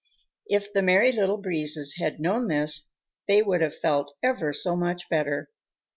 If the Merry Little Breezes had known this, they would have felt ever so much better.